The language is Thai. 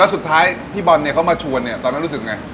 สุดท้ายพี่บอลเนี่ยเขามาชวนเนี่ยตอนนั้นรู้สึกไง